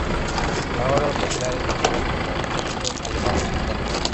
La obra fue creada y dirigida por el Arquitecto Alejandro Santana.